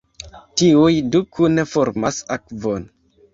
Tiuj du kune formas akvon.